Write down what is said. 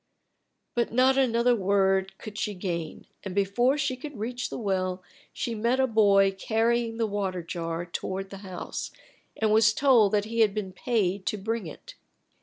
But not another word could she gain, and before she could reach the well she met a boy carrying the water jar toward the house, and was told that he had been paid to bring it.